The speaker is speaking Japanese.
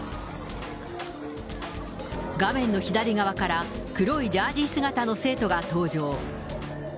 画面の左側から黒いジャージ姿の生徒が登場。